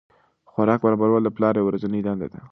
خوراک برابرول د پلار یوه ورځنۍ دنده ده.